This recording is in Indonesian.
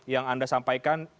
yang anda sampaikan